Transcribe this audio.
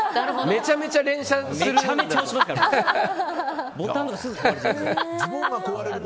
めちゃめちゃ連射する。